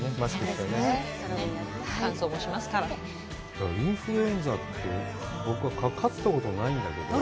ただインフルエンザって僕はかかったことないんだけど。